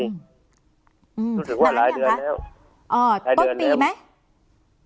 อืมรู้สึกว่าหลายเดือนแล้วอ่อต้นปีไหมหลายเดือนแล้ว